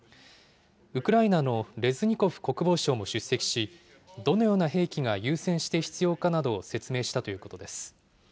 ウクライナのレズニコフ国防相も出席し、どのような兵器が優先して必要かなどを説明したということです。